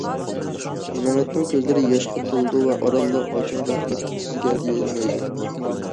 مەمەتنىڭ كۆزلىرى ياشقا تولىدۇ ۋە ئارانلا« ئاچا، رەھمەت سىزگە» دېيەلەيدۇ.